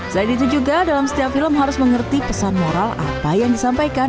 selain itu juga dalam setiap film harus mengerti pesan moral apa yang disampaikan